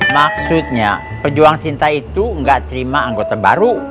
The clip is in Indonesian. maksudnya pejuang cinta itu gak terima anggota baru